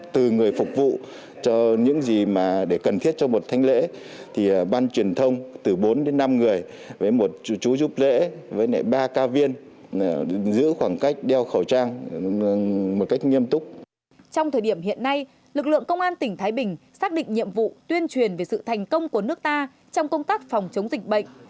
trong thời điểm hiện nay lực lượng công an tỉnh thái bình xác định nhiệm vụ tuyên truyền về sự thành công của nước ta trong công tác phòng chống dịch bệnh